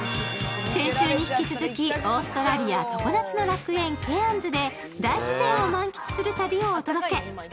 先週に引き続きオーストラリア常夏の楽園ケアンズで大自然を満喫するたびをお届け。